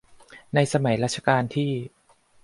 ในสมัยรัชกาลที่